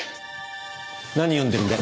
何読んでるんだ？